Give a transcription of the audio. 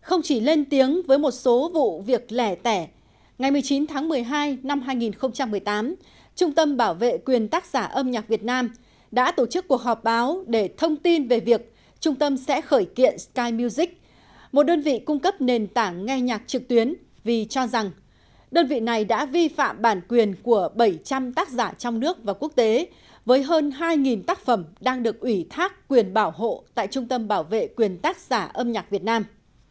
không chỉ lên tiếng với một số vụ việc lẻ tẻ ngày một mươi chín tháng một mươi hai năm hai nghìn một mươi tám trung tâm bảo vệ quyền tác giả âm nhạc việt nam đã tổ chức cuộc họp báo để thông tin về việc trung tâm sẽ khởi kiện sky music một đơn vị cung cấp nền tảng nghe nhạc trực tuyến vì cho rằng đơn vị này đã vi phạm bản quyền của bảy trăm linh tác giả trong nước và quốc tế với hơn hai tác phẩm đang được ủy thác quyền bảo hộ tại trung tâm bảo vệ quyền tác giả âm nhạc việt nam